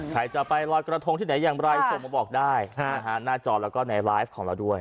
ใครจะไปลอยกระทงที่ไหนอย่างไรส่งมาบอกได้หน้าจอแล้วก็ในไลฟ์ของเราด้วย